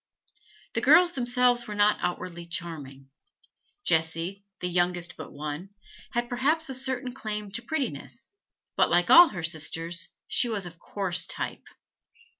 The girls themselves were not outwardly charming; Jessie, the youngest but one, had perhaps a certain claim to prettiness, but, like all her sisters, she was of coarse type.